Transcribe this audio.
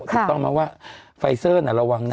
ถูกต้องไหมว่าไฟเซอร์น่ะระวังนะ